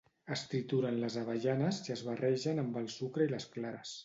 Es trituren les avellanes i es barrejen amb el sucre i les clares